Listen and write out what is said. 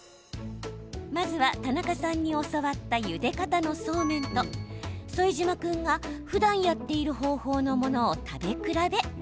まずは、田中さんに教わったゆで方のそうめんと副島君が、ふだんやっている方法のものを食べ比べ。